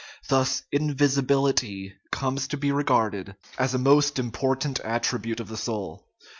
Thus invisibility comes to be regarded as a most im portant attribute of the soul.